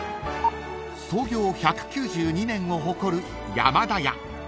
［創業１９２年を誇る山田屋］